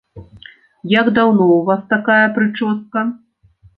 Як даўно ў вас такая прычоска?